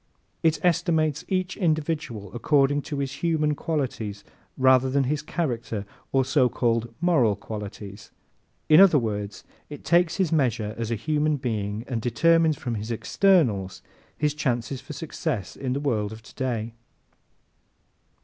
It estimates each individual according to his "human" qualities rather than his "character" or so called "moral" qualities. In other words, it takes his measure as a human being and determines from his externals his chances for success in the world of today.